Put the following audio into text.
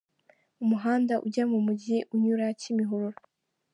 Umuhanda ujya mumujyi unyura Kimihurura.